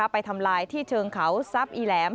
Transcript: ไปทำลายที่เชิงเขาทรัพย์อีแหลม